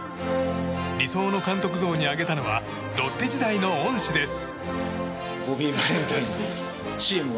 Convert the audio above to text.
理想の監督像に挙げたのはロッテ時代の恩師です。